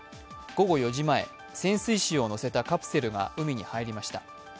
午後４時前、潜水士を乗せたカプセルが海に入りました。